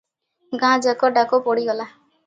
ଗାଁଯାକ ଡକା ପଡିଗଲା ।